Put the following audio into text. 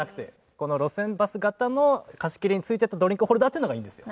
この路線バス型の貸切に付いてたドリンクホルダーっていうのがいいんですよ。